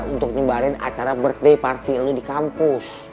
untuk nyumbarin acara birthday party lo di kampus